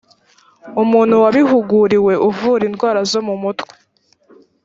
umuntu wabihuguriwe uvura indwara zo mu mutwe